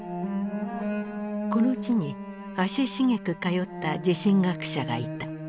この地に足しげく通った地震学者がいた。